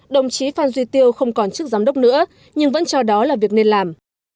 đồng chí phan duy tiêu không còn chức giám đốc nữa nhưng vẫn cho đó là việc nên làm